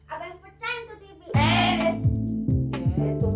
abang pecahin tuh tibi